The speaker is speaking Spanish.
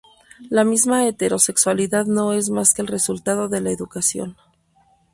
La misma heterosexualidad no es más que el resultado de la educación.